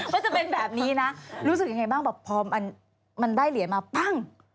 ก็จะเป็นแบบนี้นะรู้สึกยังไงบ้างแบบพอมันได้เหรียญมาปั้ง